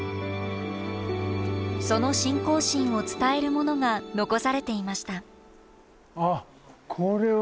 その信仰心を伝えるものが残されていました。